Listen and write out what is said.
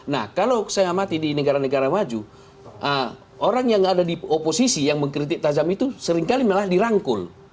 nah kalau saya amati di negara negara maju orang yang ada di oposisi yang mengkritik tazam itu seringkali malah dirangkul